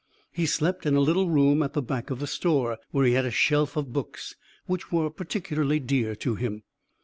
He slept in a little room at the back of the store, where he had a shelf of books which were particularly dear to him.